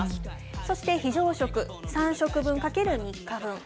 そして非常食、３食分×３日分。